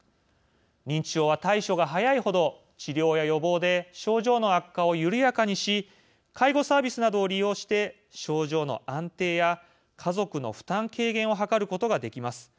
認知症は対処が早い程治療や予防で症状の悪化を緩やかにし介護サービスなどを利用して症状の安定や家族の負担軽減を図ることができます。